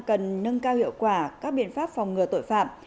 cần nâng cao hiệu quả các biện pháp phòng ngừa tội phạm